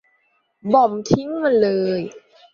บอมบ์ทิ้งมันเลย !